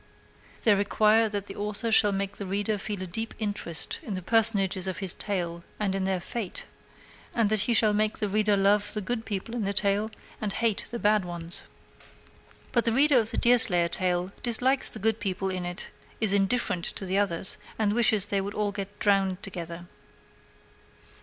They require that the author shall make the reader feel a deep interest in the personages of his tale and in their fate; and that he shall make the reader love the good people in the tale and hate the bad ones. But the reader of the Deerslayer tale dislikes the good people in it, is indifferent to the others, and wishes they would all get drowned together.